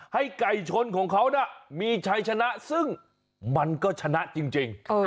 ให้ไก่ชนของเขามีชัยชนะซึ่งมันก็ชนะจริง